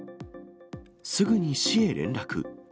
すぐに市へ連絡。